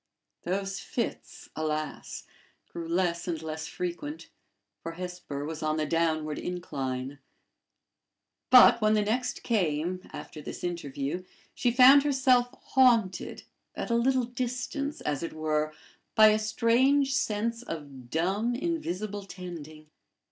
Those fits, alas! grew less and less frequent; for Hesper was on the downward incline; but, when the next came, after this interview, she found herself haunted, at a little distance, as it were, by a strange sense of dumb, invisible tending.